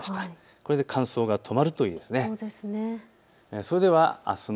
これで乾燥が止まるといいですね。